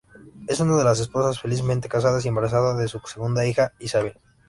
Es una esposa felizmente casada y embarazada de su segunda hija, Isabel.